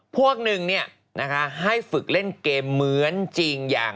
พวกหนึ่งเนี่ยนะคะให้ฝึกเล่นเกมเหมือนจริงอย่าง